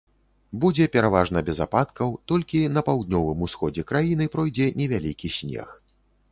Будзе пераважна без ападкаў, толькі на паўднёвым усходзе краіны пройдзе невялікі снег.